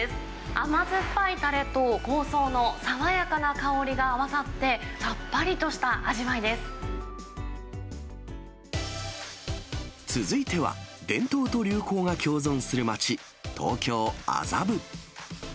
甘酸っぱいたれと香草の爽やかな香りが合わさって、さっぱりとし続いては、伝統と流行が共存する街、東京・麻布。